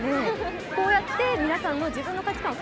こうやって皆さんの自分の価値観を